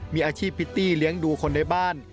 มีอาชีพพิตตี้เลี้ยงดูคนในบ้าน